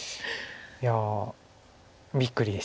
いやびっくりです。